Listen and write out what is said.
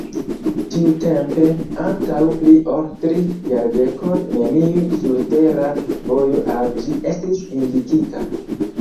Tiutempe, antaŭ pli ol tri jardekoj, neniu surtera vojo al ĝi estis indikita.